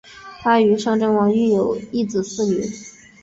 她与尚贞王育有一子四女。